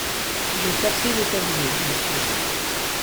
J’ai forcé le casier, monsieur.